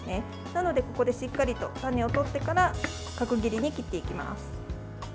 なので、ここでしっかりと種を取ってから角切りに切っていきます。